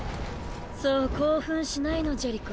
そう興奮しないのジェリコ。